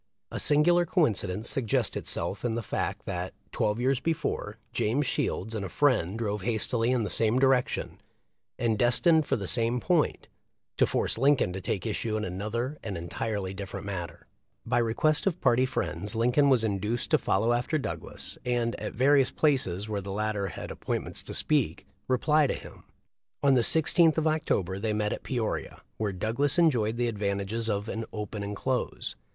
A singular coincidence suggests itself in the fact that, twelve years before, James Shields and a friend drove hastily in the same direction, and destined for the same point, to force Lincoln to take issue in another and entirely different matter. * See Lincoln's Speech, Joint Debate, Ottawa, Ills.. Aug . 20, 1858. THE LIFE OF LINCOLN. 373 By request of party friends Lincoln was induced to follow after Douglas and, at the various places where the latter had appointments to speak, reply to him. On the 16th of October they met at Peoria, where Douglas enjoyed the advantages of an "open and close."